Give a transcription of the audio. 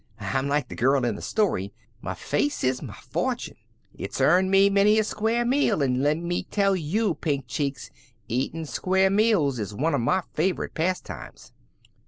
I'm like the girl in the story. Muh face is muh fortune. It's earned me many a square meal; an' lemme tell you, Pink Cheeks, eatin' square meals is one of my favorite pastimes."